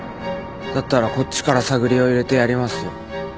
だったらこっちから探りを入れてやりますよ。